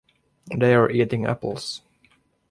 They’re eating apples.